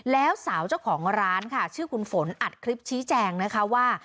แล้วสาวเจ้าของร้านค่ะชื่อคุณฝนอัดคลิปชี้แจงนะคะว่า